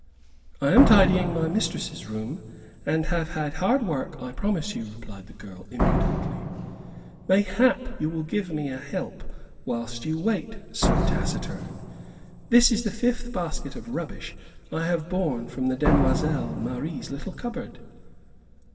"I am tidying my mistress's room, and have had hard work I promise you," replied the girl, impudently. "Mayhap you will give me a help whilst you wait, Sir Taciturn? This is the fifth basket of rubbish I have borne from the demoiselle Marie's little cupboard."